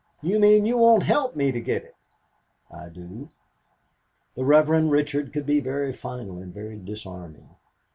"You mean you won't help me to get it?" "I do." The Rev. Richard could be very final and very disarming.